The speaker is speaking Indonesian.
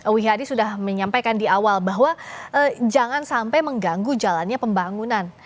wihadi sudah menyampaikan di awal bahwa jangan sampai mengganggu jalannya pembangunan